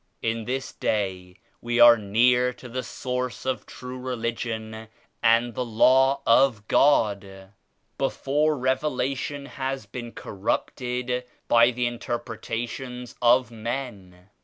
"In this Day we are near to the Source of true Religion and the Law of God ; before Revelation has been corrupted by the interpretations of men.